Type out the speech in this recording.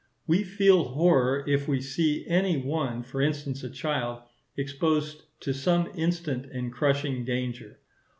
We feel horror if we see any one, for instance a child, exposed to some instant and crushing danger.